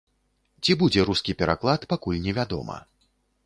Ці будзе рускі пераклад, пакуль невядома.